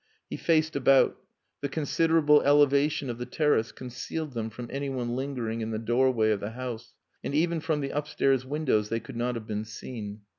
He faced about. The considerable elevation of the terrace concealed them from anyone lingering in the doorway of the house; and even from the upstairs windows they could not have been seen.